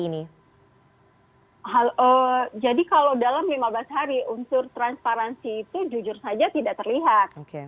untuk transparansi itu jujur saja tidak terlihat